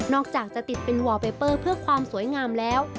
อกจากจะติดเป็นวอลเบเปอร์เพื่อความสวยงามแล้ว